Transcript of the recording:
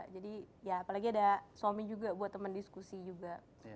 jadi ya apalagi ada suami juga buat temen diskusi juga